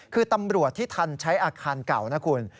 คือตำรวจที่ทันใช้อาคารเก่านะคุณ